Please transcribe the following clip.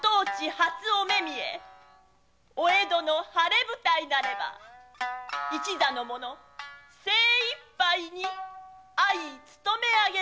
初おめみえお江戸の晴れ舞台なれば一座の者精いっぱいにあい勤めあげまする。